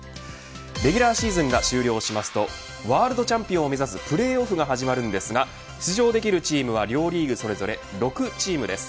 レギュラーシーズンが終了しますとワールドチャンピオンを目指すプレーオフが始まるんですが出場できるチームは両リーグそれぞれ６チームです。